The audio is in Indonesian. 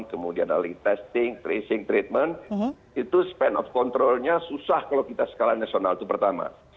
kemudian early testing tracing treatment itu span of controlnya susah kalau kita skala nasional itu pertama